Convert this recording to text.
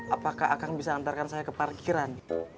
apakah akan bisa mengantarkan saya ke parkiran